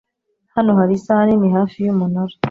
Hano hari isaha nini hafi yumunara.